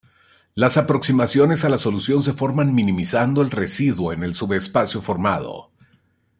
Las aproximaciones a la solución se forman minimizando el residuo en el subespacio formado.